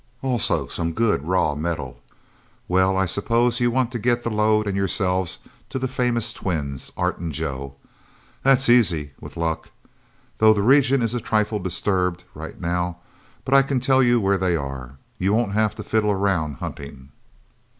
Also, some good, raw metal... Well, I suppose you want to get the load and yourselves to the famous twins, Art and Joe. That's easy with luck. Though the region is a trifle disturbed, right now. But I can tell you where they are. You won't have to fiddle around, hunting."